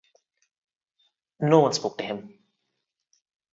No one spoke to him.